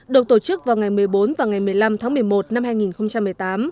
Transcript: được tổ chức vào ngày một mươi bốn và ngày một mươi năm tháng một mươi một năm hai nghìn một mươi tám